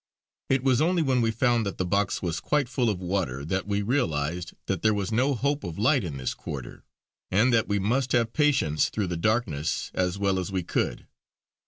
It was only when we found that the box was quite full of water that we realised that there was no hope of light in this quarter, and that we must have patience through the darkness as well as we could.